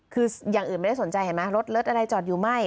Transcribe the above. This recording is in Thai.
คืออย่างอื่นไม่ได้สนใจเห็นไหมรถเลิศอะไรจอดอยู่ไม่